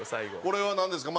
これはなんですか？